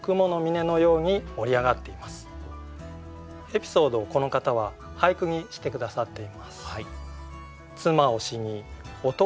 エピソードをこの方は俳句にして下さっています。